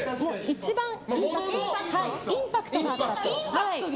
一番インパクトがあったと。